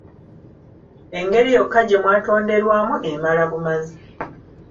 Engeri yokka gye mwatonderwamu emala bumazi.